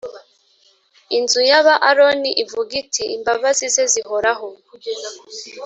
Inzu y aba Aroni ivuge iti Imbabazi ze zihoraho